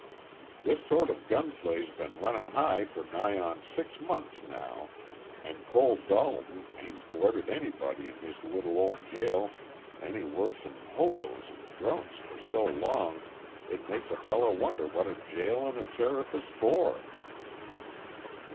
This sort of gun play's been runnin' high for nigh on six months now, an' Cole Dalton ain't boarded anybody in his little ol' jail any worse'n hoboes an' drunks for so long it makes a feller wonder what a jail an' a sheriff is for."